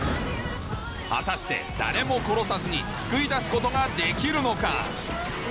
果たして誰も殺さずに救い出すことができるのか？